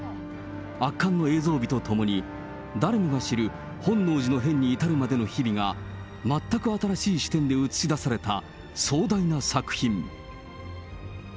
圧巻の映像美とともに、誰もが知る本能寺の変に至るまでの日々が、全く新しい視点で映し出された壮大な作品。